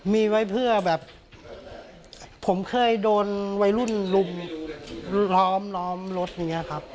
มีไว้เพื่อแบบผมเคยโดนวัยรุ่นรุมล้อมล้อมรถอย่างนี้ครับ